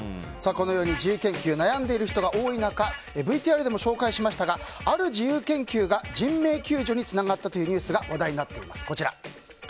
自由研究に悩んでいる人が多い中ＶＴＲでも紹介しましたがある自由研究が人命救助につながったというニュースが話題になっています。